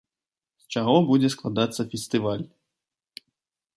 З чаго будзе складацца фестываль.